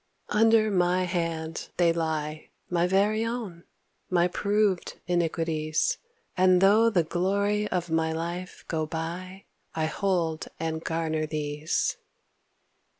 Under my hand they lie, My very own, my proved iniquities, And though the glory of my life go by I hold and garner these.